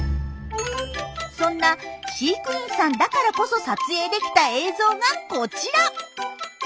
そんな飼育員さんだからこそ撮影できた映像がこちら！